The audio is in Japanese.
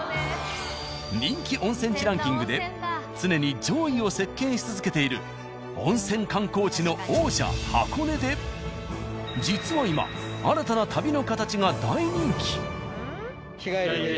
人気温泉地ランキングで常に上位を席巻し続けている温泉観光地の王者・箱根で実は今泊まらないの？